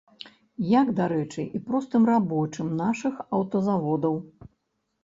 Як, дарэчы, і простым рабочым нашых аўтазаводаў.